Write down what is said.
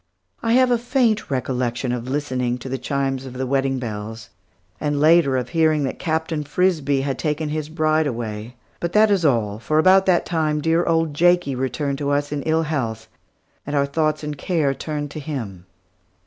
I have a faint recollection of listening to the chimes of the wedding bells, and later, of hearing that Captain Frisbie had taken his bride away; but that is all, for about that time dear old Jakie returned to us in ill health, and our thoughts and care turned to him.